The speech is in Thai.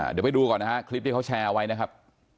เดี๋ยวไปดูก่อนนะฮะคลิปที่เขาแชร์เอาไว้นะครับ